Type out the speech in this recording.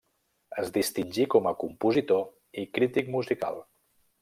Es distingí com a compositor i crític musical.